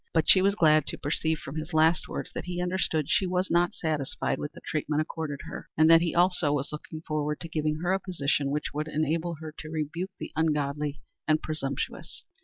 But she was glad to perceive from his last words that he understood she was not satisfied with the treatment accorded her, and that he also was looking forward to giving her a position which would enable her to rebuke the ungodly and presumptuous.